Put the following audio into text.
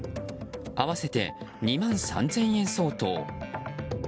合わせて２万３０００円相当。